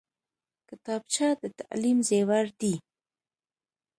کتابچه د تعلیم زیور دی